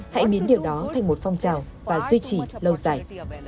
hãy biến điều đó thành một phong trào và duy trì lâu dài